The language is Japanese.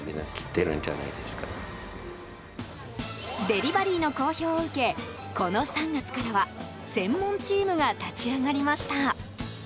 デリバリーの好評を受けこの３月からは専門チームが立ち上がりました。